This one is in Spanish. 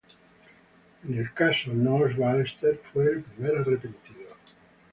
En el caso Nóos Ballester fue el primer arrepentido.